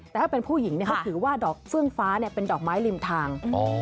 แต่ถ้าเป็นผู้หญิงเขาถือว่าดอกเฟื่องฟ้าเป็นดอกไม้ริมทาง